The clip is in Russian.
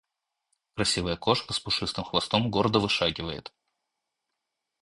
Красивая кошка с пушистым хвостом гордо вышагивает.